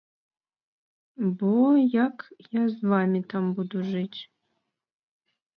Бо як я з вамі там буду жыць.